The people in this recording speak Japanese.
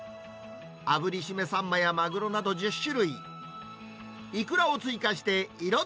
あぶりしめサンマやマグロなど１０種類。